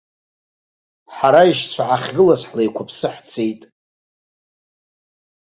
Ҳара аишьцәа ҳахьгылаз ҳлеиқәыԥсы ҳцеит.